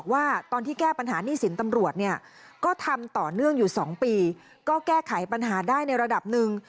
ก็ทำต่อเนื่องอยู่๒ปีก็แก้ไขปัญหาได้ในระดับหนึ่ง